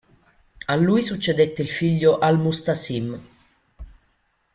A lui succedette il figlio al-Musta'sim.